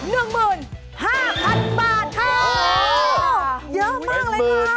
เยอะมากเลยค่ะ